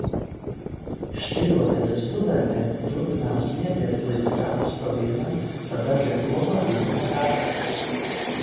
Šķiroties ar studentiem turpinām smieties, līdz katrs pa vienam, pa dažiem kopā izejam vētrā.